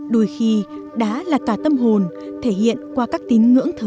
đôi khi đá là tà tâm hồn thể hiện qua các tín ngưỡng thở đá